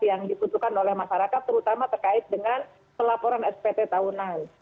yang dibutuhkan oleh masyarakat terutama terkait dengan pelaporan spt tahunan